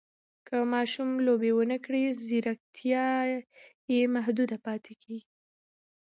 که ماشوم لوبې ونه کړي، ځیرکتیا یې محدوده کېږي.